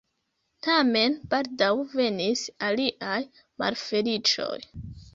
Tamen baldaŭ venis aliaj malfeliĉoj.